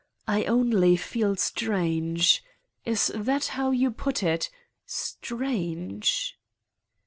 I only feel strange ... is that how you put it: strange?